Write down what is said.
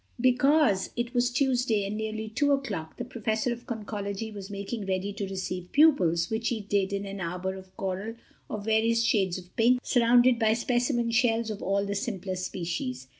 Because it was Tuesday and nearly two o'clock, the Professor of Conchology was making ready to receive pupils, which he did in an arbor of coral of various shades of pink, surrounded by specimen shells of all the simpler species.